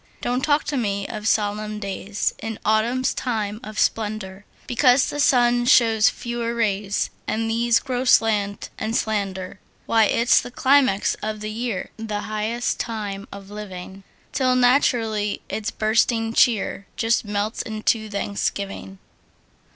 Don't talk to me of solemn days In autumn's time of splendor, Because the sun shows fewer rays, And these grow slant and slender. Why, it's the climax of the year, The highest time of living! Till naturally its bursting cheer Just melts into thanksgiving.